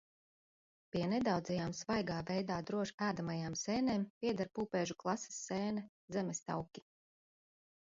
Pie nedaudzajām svaigā veidā droši ēdamajām sēnēm pieder pūpēžu klases sēne – zemestauki.